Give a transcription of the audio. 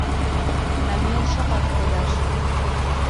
Намиен шыпак кодаш